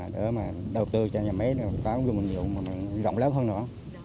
để đầu tư cho nhà máy đường phát triển vùng nguyên liệu rộng lớn hơn nữa